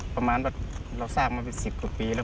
ประมาณแบบเราสร้างมา๑๐กว่าปีแล้ว